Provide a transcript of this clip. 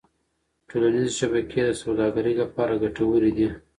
ټولنيزې شبکې د سوداګرۍ لپاره ګټورې دي.